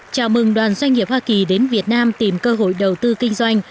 chào mừng đoàn doanh nghiệp hoa kỳ đến việt nam tìm cơ hội đầu tư kinh doanh